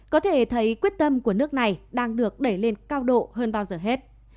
có thể thấy quyết tâm của nước này đang được đẩy lên cao độ hơn bao giờ hết